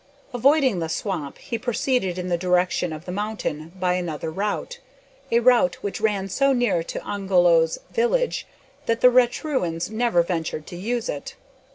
Avoiding the swamp, he proceeded in the direction of the mountain by another route a route which ran so near to Ongoloo's village, that the Raturans never ventured to use it.